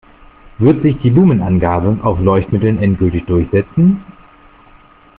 Wird sich die Lumen-Angabe auf Leuchtmitteln endgültig durchsetzen?